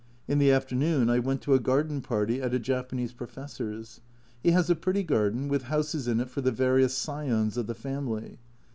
In the afternoon I went to a garden party at a Japanese Professor's. He has a pretty garden, with houses in it for the various scions of the family.